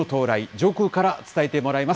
上空から伝えてもらいます。